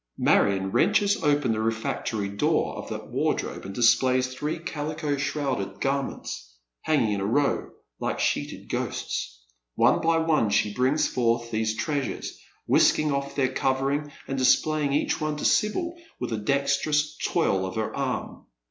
Marion wrenches open the refi actory doof of the wardrobe, and displays three calico shrouded garments, hanging in a row, like rsheeted ghosts. One by one she brings forth these treasures, whisking ofE their covering, and displajnng each to Sibyl with a dexterous twirl of her ann.